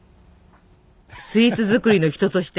スイーツ作りの人として。